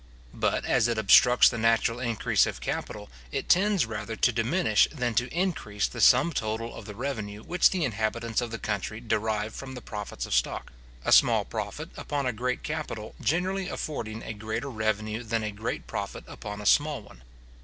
But as it obstructs the natural increase of capital, it tends rather to diminish than to increase the sum total of the revenue which the inhabitants of the country derive from the profits of stock; a small profit upon a great capital generally affording a greater revenue than a great profit upon a small one.